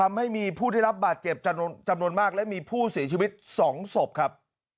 ทำให้มีผู้ได้รับบาดเจ็บจำนวนมากและมีผู้เสียชีวิต๒ศพครับ